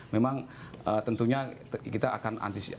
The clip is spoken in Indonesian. memang tentunya kita akan antisipasi